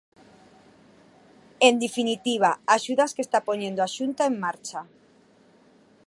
En definitiva, axudas que está poñendo a Xunta en marcha.